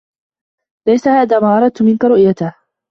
ليس هذا ما أردت منك رؤيته.